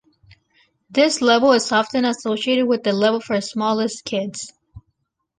This level is often associated with the level for smallest kids.